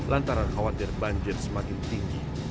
lantaran khawatir banjir semakin tinggi